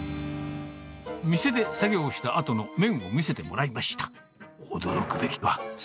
店で作業したあとの麺を見せてもらいました。